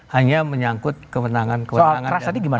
hanya menyangkut kewenangan kewenangan